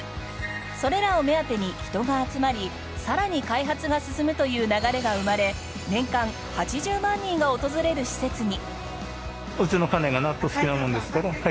それらを目当てに人が集まりさらに開発が進むという流れが生まれ年間８０万人が訪れる施設に。